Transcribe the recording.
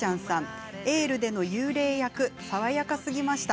「エール」での幽霊役爽やかすぎました。